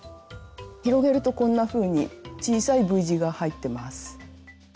広げるとこんなふうに小さいＶ字が入ってます。